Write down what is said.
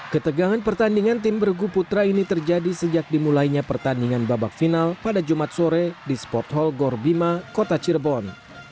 ketegangan pertandingan tim bergu putra ini terjadi sejak dimulainya pertandingan babak final pada jumat sore di sport hall gorbima kota cirebon